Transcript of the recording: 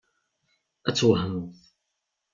Ad twehmeḍ!